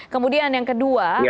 kemudian yang kedua